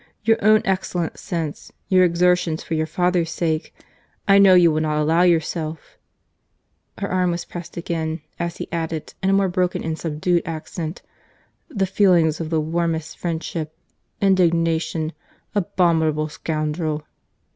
—Your own excellent sense—your exertions for your father's sake—I know you will not allow yourself—." Her arm was pressed again, as he added, in a more broken and subdued accent, "The feelings of the warmest friendship—Indignation—Abominable scoundrel!"